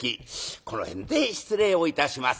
この辺で失礼をいたします。